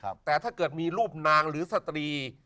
แต่ถ้าเกิดมีรูปนางหรือสตรี